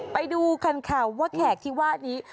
ไปดูคันข่าวว่าแขกที่ว่านี้